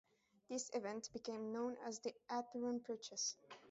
This event became known as the Atherton Purchase.